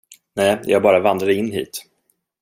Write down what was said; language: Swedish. Nej, jag bara vandrade in hit.